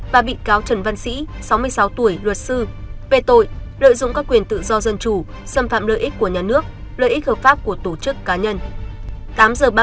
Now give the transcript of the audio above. và bị cáo trần văn sĩ sáu mươi sáu tuổi luật sư về tội lợi dụng các quyền tự do dân chủ xâm phạm lợi ích của nhà nước lợi ích hợp pháp của tổ chức cá nhân